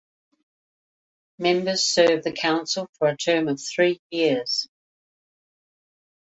Members serve the Council for a term of three years.